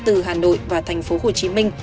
từ hà nội và thành phố hồ chí minh